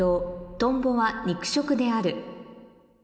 「トンボは肉食である」